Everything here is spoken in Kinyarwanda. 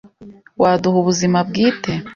Waduha ubuzima bwite?